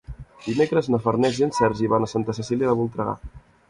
Dimecres na Farners i en Sergi van a Santa Cecília de Voltregà.